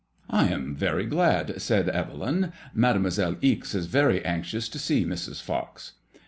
I am very glad/' said Evelyn, *' Mademoiselle Ixe is very anxious to see Mrs. Fox."